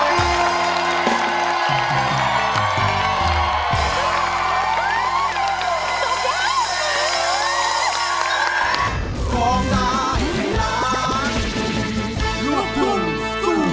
ฟองตาให้รักรับกลุ่ม